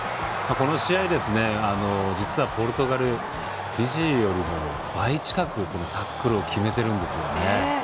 この試合、実はポルトガルフィジーよりも倍近くタックルを決めてるんですよね。